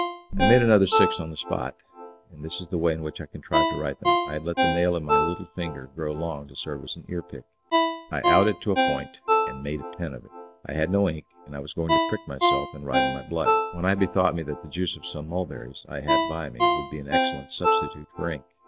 I made another six on the spot, and this is the way in which I contrived to write them, I had let the nail of my little finger grow long to serve as an earpick; I cut it to a point, and made a pen of it. I had no ink, and I was going to prick myself and write in my blood, when I bethought me that the juice of some mulberries I had by me would be an excellent substitute for ink.